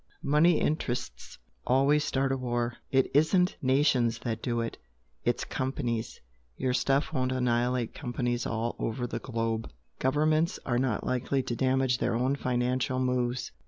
Money interests always start a war it isn't nations that do it, it's 'companies.' Your stuff won't annihilate companies all over the globe. Governments are not likely to damage their own financial moves.